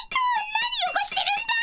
何よごしてるんだ！